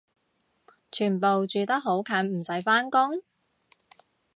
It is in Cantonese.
全部住得好近唔使返工？